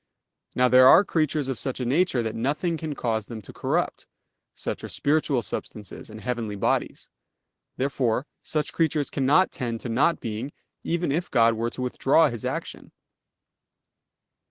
Now there are creatures of such a nature that nothing can cause them to corrupt; such are spiritual substances and heavenly bodies. Therefore such creatures cannot tend to not being, even if God were to withdraw His action.